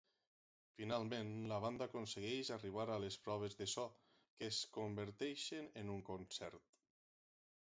Finalment, la banda aconsegueix arribar al les proves de so, que es converteixen en un concert.